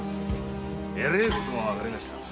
えれえことがわかりましたぜ。